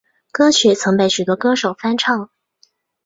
歌曲曾被许多歌手翻唱。